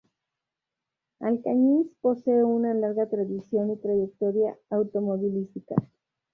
Alcañiz posee una larga tradición y trayectoria automovilística.